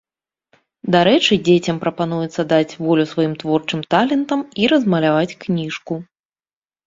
Дарэчы, дзецям прапануецца даць волю сваім творчым талентам і размаляваць кніжку.